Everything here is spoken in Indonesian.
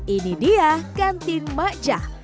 ini dia kantin mak jah